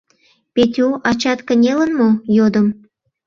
— Петю, ачат кынелын мо? — йодым.